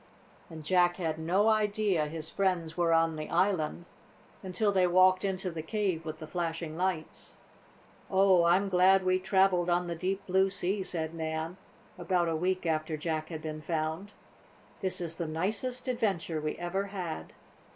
And Jack had no idea his friends were on the island until they walked into the cave with the flashing lights. "Oh, I'm glad we traveled on the deep, blue sea," said Nan, about a week after Jack had been found. "This is the nicest adventure we ever had!"